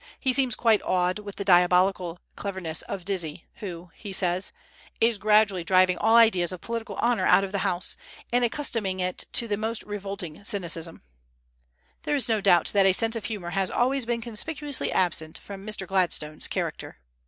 He seems quite awed with the diabolical cleverness of Dizzy, 'who,' he says, 'is gradually driving all ideas of political honor out of the House, and accustoming it to the most revolting cynicism,' There is no doubt that a sense of humor has always been conspicuously absent from Mr. Gladstone's character."